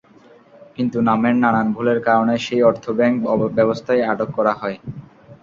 কিন্তু নামের বানান ভুলের কারণে সেই অর্থ ব্যাংক ব্যবস্থায় আটক করা হয়।